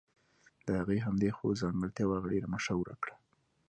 د هغې همدې ښو ځانګرتياوو هغه ډېره مشهوره کړه.